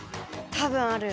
多分ある。